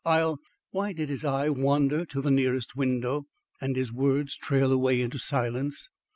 I'll " Why did his eye wander to the nearest window, and his words trail away into silence?